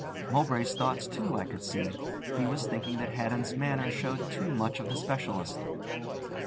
Mowbray's thoughts, too, I could see. He was thinking that Haddon's manner showed too much of the specialist.